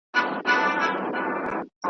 راته وایه ستا به څو وي اولادونه .